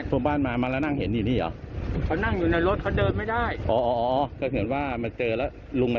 ตามที่เห็นอืมแค่นั้นแหละ